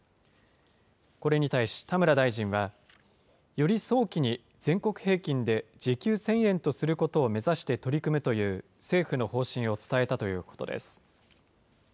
これに対し、田村大臣は、より早期に全国平均で時給１０００円とすることを目指して取り組むという政府の方針を伝えたということです。